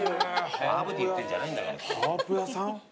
ハーブティー売ってんじゃないんだから。